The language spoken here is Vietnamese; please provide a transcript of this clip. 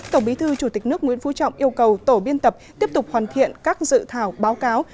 tổng bí thư chủ tịch nước nguyễn phú trọng yêu cầu tổ biên tập tiếp tục hoàn thiện các dự thảo báo cáo